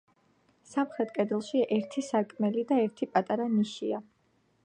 სამხრეთ კედელში ერთი სარკმელი და ერთი პატარა ნიშია.